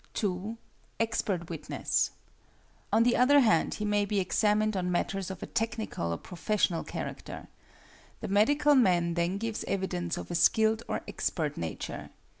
2. Expert Witness. On the other hand, he may be examined on matters of a technical or professional character. The medical man then gives evidence of a skilled or expert nature.